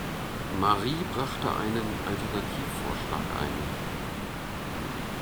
Marie brachte einen Alternativvorschlag ein.